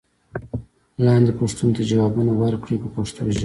لاندې پوښتنو ته ځوابونه ورکړئ په پښتو ژبه.